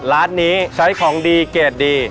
ร้านนี้ใช้ของดีเกรดดี